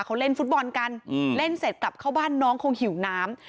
เขาเล่นฟุตบอลกันเล่นเสร็จกลับเข้าบ้านน้องคงหิวน้ำ